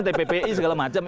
tppi segala macem